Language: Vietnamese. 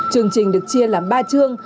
chương trình được chia làm ba chương